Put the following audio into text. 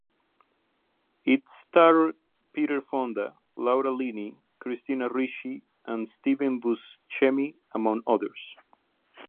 It starred Peter Fonda, Laura Linney, Christina Ricci, and Steve Buscemi among others.